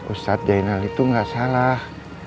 ustaz jainal itu gak salah